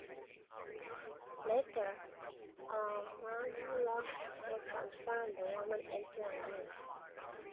Later, Almamula would transform the woman into a mule.